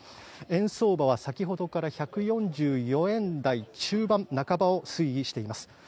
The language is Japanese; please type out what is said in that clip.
円相場は先ほどから１４４円台中盤、半ばを推移しています。